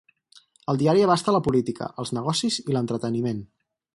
El diari abasta la política, els negocis i l'entreteniment.